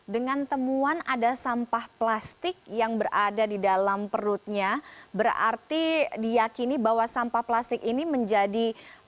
dengan temuan ada sampah plastik yang berada di dalam perutnya berarti diakini bahwa sampah plastik ini menjadi